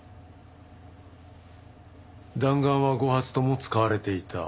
弾丸は５発とも使われていた。